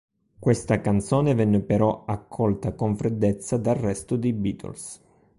Questa canzone venne però accolta con freddezza dal resto dei Beatles.